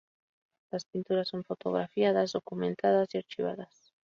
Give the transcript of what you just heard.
Las pinturas son fotografiadas, documentadas y archivadas.